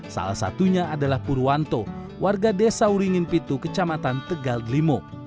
salah satunya adalah purwanto warga desa uringin pitu kecamatan tegal delimu